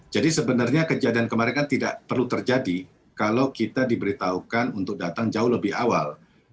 jadi sebenarnya kejadian kemarin kan tidak perlu terjadi kalau kita diberitahukan untuk datang jauh lebih awal